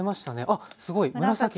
あっすごい紫に。